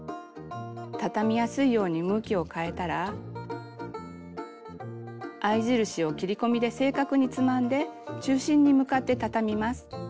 たたみやすいように向きを変えたら合い印を切り込みで正確につまんで中心に向かってたたみます。